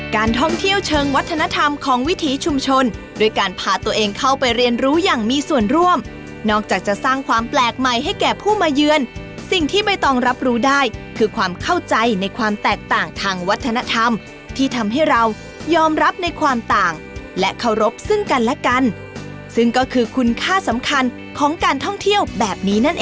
การท่องเที่ยวเชิงวัฒนธรรมของวิถีชุมชนด้วยการพาตัวเองเข้าไปเรียนรู้อย่างมีส่วนร่วมนอกจากจะสร้างความแปลกใหม่ให้แก่ผู้มาเยือนสิ่งที่ใบตองรับรู้ได้คือความเข้าใจในความแตกต่างทางวัฒนธรรมที่ทำให้เรายอมรับในความต่างและเคารพซึ่งกันและกันซึ่งก็คือคุณค่าสำคัญของการท่องเที่ยวแบบนี้นั่นเอง